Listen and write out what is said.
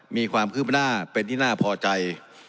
มีความคืบหน้าเป็นที่น่าพอใจ